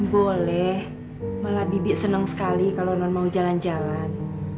boleh malah bibik seneng sekali kalo non mau jalan jalan